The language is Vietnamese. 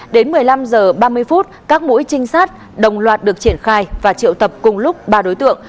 đến một mươi năm h ba mươi phút các mũi trinh sát đồng loạt được triển khai và triệu tập cùng lúc ba đối tượng